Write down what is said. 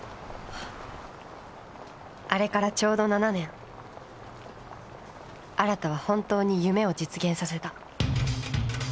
あれからちょうど７年新は本当に夢を実現させた